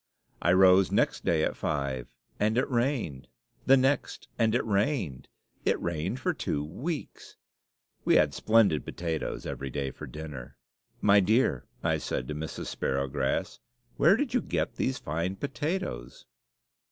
I rose next day at five, and it rained! The next, and it rained! It rained for two weeks! We had splendid potatoes every day for dinner. "My dear," said I to Mrs. Sparrowgrass, "where did you get these fine potatoes?"